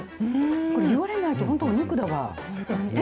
これ、言われないと本当、お肉だわ。